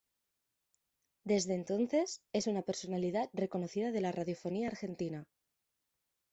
Desde entonces es una personalidad reconocida de la radiofonía argentina.